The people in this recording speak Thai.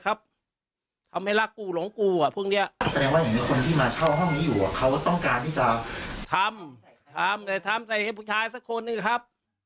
เขาต้องการที่จะทำทำแต่ทำใส่ให้ผู้ชายสักคนหนึ่งครับ